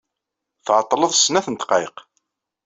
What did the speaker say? Tɛeṭṭleḍ s snat n ddqayeq.